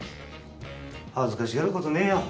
恥ずかしがることねえよ